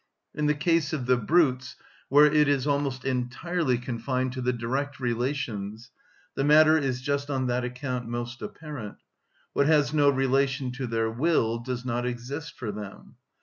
In the case of the brutes, where it is almost entirely confined to the direct relations, the matter is just on that account most apparent: what has no relation to their will does not exist for them.